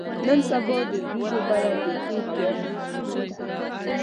نن سبا د وریجو بیه بیخي هوا ته ختلې ده.